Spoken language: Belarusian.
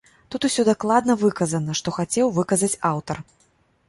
Тут усё дакладна выказана, што хацеў выказаць аўтар.